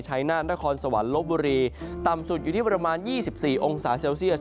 นานครสวรรค์ลบบุรีต่ำสุดอยู่ที่ประมาณ๒๔องศาเซลเซียส